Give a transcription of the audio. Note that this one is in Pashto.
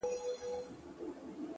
مخ به در واړوم خو نه پوهېږم!